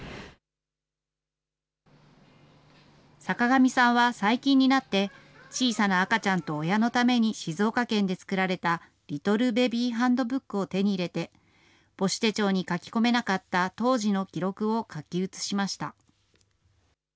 坂上さんは最近になって、小さな赤ちゃんと親のために静岡県で作られた、リトルベビーハンドブックを手に入れて、母子手帳に書き込めなかった当時の記録を書き写しました。